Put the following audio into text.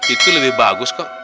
itu lebih bagus kok